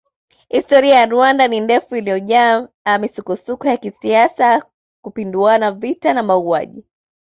Historia ya Rwanda ni ndefu iliyojaa misukosuko ya kisiasa kupinduana vita na mauaji